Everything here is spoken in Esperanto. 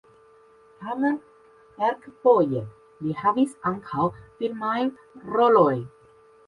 Tamen kelkfoje li havis ankaŭ filmajn rolojn.